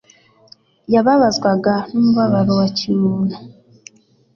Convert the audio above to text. yababazwaga n'umubabaro wa kimuntu.